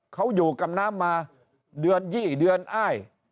เขาอยู่กับน้ำมาเดือน๒เดือนอ้าย